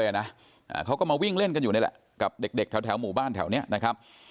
เขาก็มาวิ่งเล่นกันอยู่นี่แหละกับเด็กแถวหมู่บ้านแถวเนี้ยนะครับ